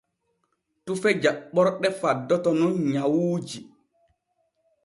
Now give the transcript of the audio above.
Tufe jaɓɓorɗe faddoto nun nyawuuji.